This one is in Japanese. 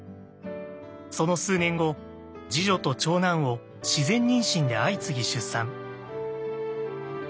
その数年後次女と長男を自然妊娠で相次ぎ出産。